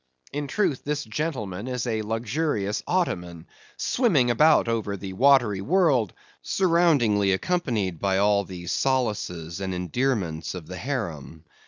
In truth, this gentleman is a luxurious Ottoman, swimming about over the watery world, surroundingly accompanied by all the solaces and endearments of the harem.